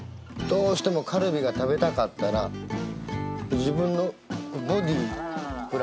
どうしてもカルビが食べたかったら自分のボディー。